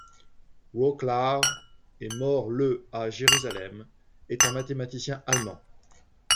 Wrocław et mort le à Jérusalem, est un mathématicien allemand.